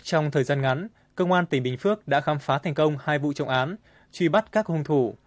trong thời gian ngắn công an tỉnh bình phước đã khám phá thành công hai vụ trọng án truy bắt các hung thủ